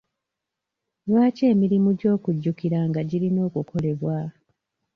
Lwaki emirimu gy'okujjukiranga girina okukolebwa?